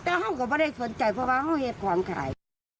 แต่ห้องก็ไม่ได้สนใจเพราะว่าไม่เห็นความคลาย